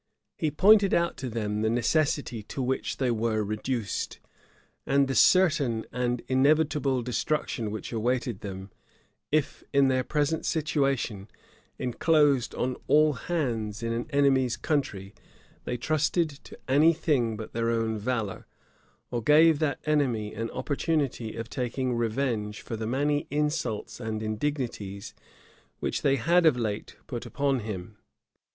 He pointed out to them the necessity to which they were reduced, and the certain and inevitable destruction which awaited them, if, in their present situation, enclosed on all hands in an enemy's country, they trusted to any thing but their own valor, or gave that enemy an opportunity of taking revenge for the many insults and indignities which they had of late put upon him.